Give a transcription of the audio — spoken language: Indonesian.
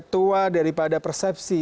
sebagai ketua daripada persepsi